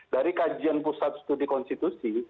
dari kajian pusat studi konstitusi